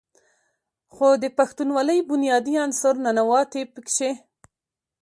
خو د پښتونولۍ بنيادي عنصر "ننواتې" پکښې